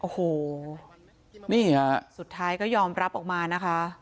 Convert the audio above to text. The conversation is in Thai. โอ้โหนี่ฮะสุดท้ายก็ยอมรับออกมานะคะ